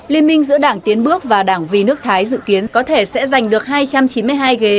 liên minh giữa đảng tiến bước và đảng vì nước thái dự kiến có thể sẽ giành được hai trăm chín mươi hai ghế